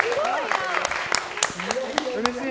うれしい。